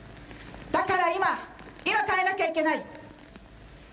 だから今今変えなきゃいけない。